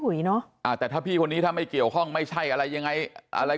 เนอะอ่าแต่ถ้าพี่คนนี้ถ้าไม่เกี่ยวข้องไม่ใช่อะไรยังไงอะไร